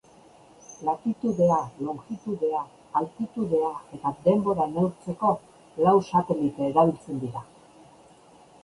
Latitudea, longitudea, altitudea eta denbora neurtzeko, lau satelite erabiltzen dira.